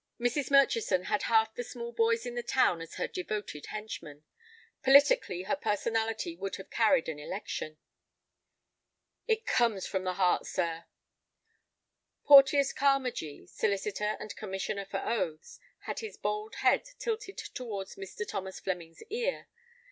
Mrs. Murchison had half the small boys in the town as her devoted henchmen. Politically her personality would have carried an election. "It comes from the heart, sir." Porteous Carmagee, solicitor and commissioner for oaths, had his bald head tilted towards Mr. Thomas Flemming's ear.